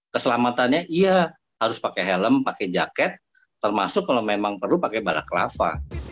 keselamatannya iya harus pakai helm pakai jaket termasuk kalau memang perlu pakai bala kelapa